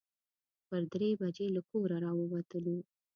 پر درې بجې له کوره راووتلو.